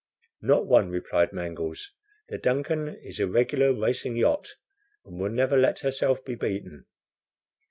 "Not one," replied Mangles. "The DUNCAN is a regular racing yacht, and would never let herself be beaten."